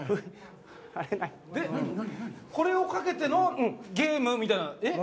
これをかけてのゲームみたいな？